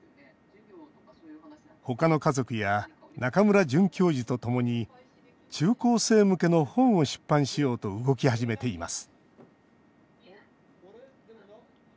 他の家族や中村准教授とともに中高生向けの本を出版しようと動き始めています